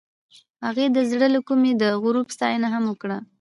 هغې د زړه له کومې د غروب ستاینه هم وکړه.